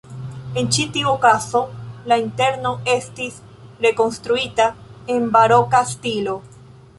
En ĉi tiu okazo la interno estis rekonstruita en baroka stilo.